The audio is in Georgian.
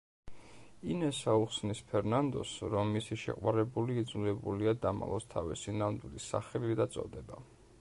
ინესა უხსნის ფერნანდოს, რომ მისი შეყვარებული იძულებულია დამალოს თავისი ნამდვილი სახელი და წოდება.